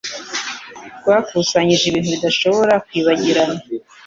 rwakusanyije ibintu bidashobora kwibagirana